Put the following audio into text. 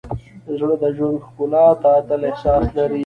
زړه د ژوند ښکلا ته تل احساس لري.